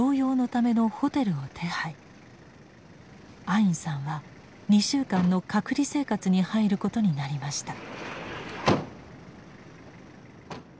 アインさんは２週間の隔離生活に入ることになりました。